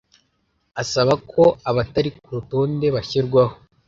asaba ko abatari ku rutonde bashyirwaho